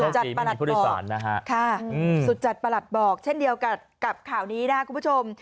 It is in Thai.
เออน่ากลัวนะค่ะสุดจัดประหลัดบอกเช่นเดียวกับข่าวนี้นะครับคุณผู้ชม